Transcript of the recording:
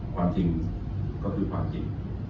ความจริงก็คือความจริง